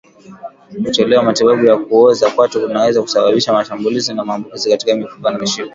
Kuchelewa matibabu ya kuoza kwato kunaweza kusababisha mashambulizi ya maambukizi katika mifupa na mishipa